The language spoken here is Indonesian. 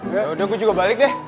yaudah aku juga balik deh